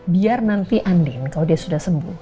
biar nanti andin kalau dia sudah sembuh